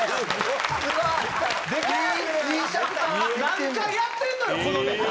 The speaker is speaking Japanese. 何回やってんのよこのネタ。